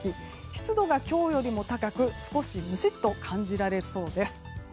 湿度が今日よりも高く少しムシッと感じられそうです。